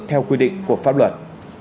theo quy định của pháp luật